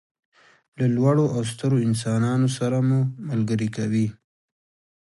له لوړو او سترو انسانانو سره مو ملګري کوي.